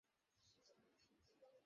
আমাকে প্রশান্তের লোকেশান পাঠাও।